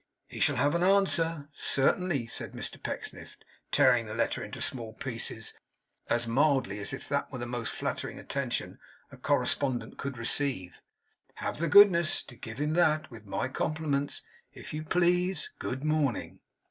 'He shall have an answer. Certainly,' said Mr Pecksniff, tearing the letter into small pieces, as mildly as if that were the most flattering attention a correspondent could receive. 'Have the goodness to give him that, with my compliments, if you please. Good morning!